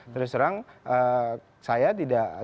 terus terang saya tidak